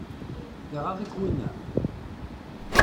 Iɣaḍ-ik winna?